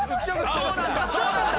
どうなんだ？